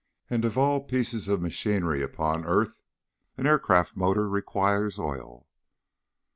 And of all pieces of machinery upon earth, an aircraft motor requires oil.